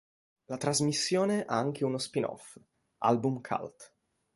La trasmissione ha anche uno spin-off, "Album Cult.